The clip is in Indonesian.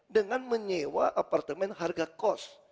dengan menyewa apartemen harga kos